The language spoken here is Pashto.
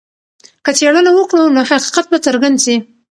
که څېړنه وکړو نو حقیقت به څرګند سي.